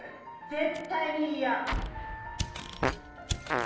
絶対に嫌。